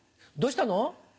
どうしたの？